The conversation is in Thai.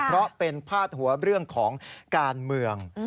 เพราะเป็นพาดหัวเรื่องของการเมือง